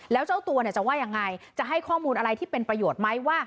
แล้วเจ้าตัวจะว่ายังไงจะให้ข้อมูลอะไรที่เป็นประโยชน์ไหมว่า